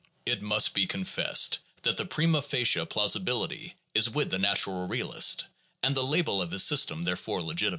It must be confessed that the prima facie plausibility is with the natural realist, and the label of his system therefore legitimate.